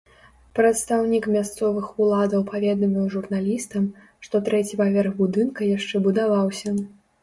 Прадстаўнік мясцовых уладаў паведаміў журналістам, што трэці паверх будынка яшчэ будаваўся.